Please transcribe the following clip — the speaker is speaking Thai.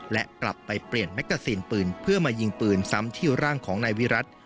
และกลับไปเปลี่ยนแมกกาซีนปืนเพื่อมายิงปืนซ้ำที่ร่างของนายวิรัติ